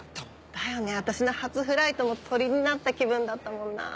だよね私の初フライトも鳥になった気分だったもんなぁ。